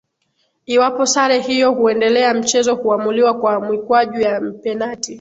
Iwapo sare hiyo huendelea mchezo huamuliwa kwa mikwaju ya penati